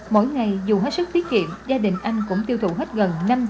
mỗi ngày dù hết sức tiết kiệm gia đình anh cũng tiêu thụ hết gần